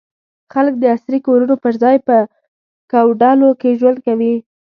خلک د عصري کورونو پر ځای په کوډلو کې ژوند کوي.